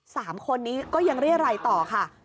สามคนนี้ก็ยังเรียรัยต่อค่ะ